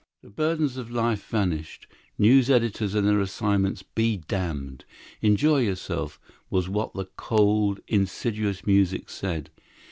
The burdens of life vanished. News editors and their assignments be damned. Enjoy yourself, was what the cold, insidious music said.